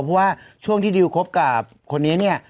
เพราะว่าช่วงที่ดิวคบกับคนนี้เนี่ย